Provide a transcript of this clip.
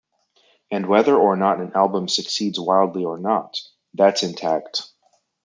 And whether or not an album succeeds wildly or not, that's intact.